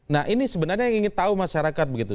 nah ini sebenarnya yang ingin tahu masyarakat begitu